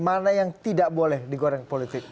mana yang tidak boleh digoreng politik